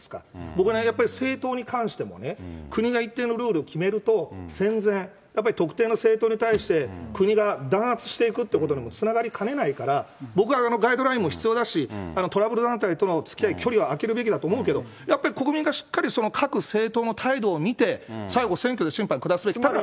僕ね、やっぱり政党に関しても国が一定のルールを決めると、戦前、やっぱり特定の政党に対して国が弾圧していくっていうことにもつながりかねないから、僕はガイドラインも必要だし、トラブル団体とのつきあい、距離は開けるべきだと思うけど、やっぱり国民がしっかり各政党の態度を見て、最後、選挙で審判下すべき。